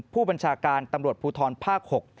ผู้บัญชาการตำรวจภูทรภาค๖